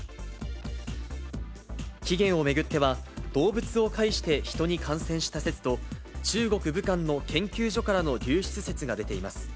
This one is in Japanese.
起源を巡っては、動物を介して人に感染した説と、中国・武漢の研究所からの流出説が出ています。